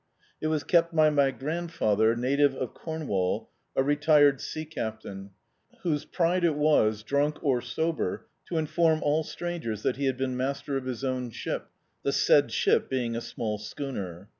It was kept by my grandfather, native of Cornwall, a retired sea captain, whose pride it was, drunk or sober, to in form all strangers that he had been master of his own ship, the said ship being a small sdiooner.